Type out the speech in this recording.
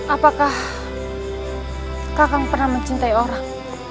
apakah kakak pernah mencintai orang